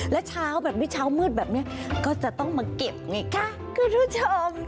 แล้วเช้าแบบนี้เช้ามืดแบบนี้ก็จะต้องมาเก็บไงคะคุณผู้ชม